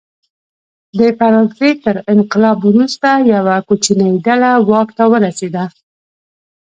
د فرانسې تر انقلاب وروسته یوه کوچنۍ ډله واک ته ورسېده.